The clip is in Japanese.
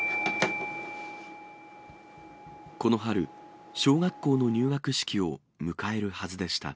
この春、小学校の入学式を迎えるはずでした。